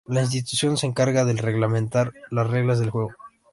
La institución se encarga de reglamentar las reglas del juego.